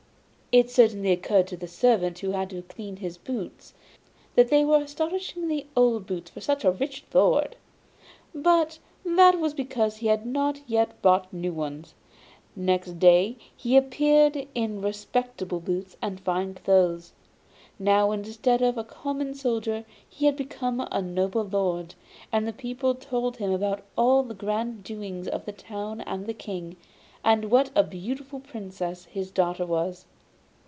It certainly occurred to the servant who had to clean his boots that they were astonishingly old boots for such a rich lord. But that was because he had not yet bought new ones; next day he appeared in respectable boots and fine clothes. Now, instead of a common soldier he had become a noble lord, and the people told him about all the grand doings of the town and the King, and what a beautiful Princess his daughter was.